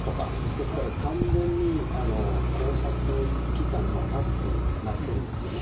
ですから完全に、工作機関のアジトになってるんですよね。